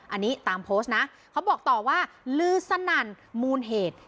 อันนี้ตามโพสต์นะเขาบอกต่อว่าลือสนั่นมูลเหตุ